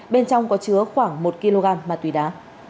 bên trong có chứa khoảng một kg ma túy đá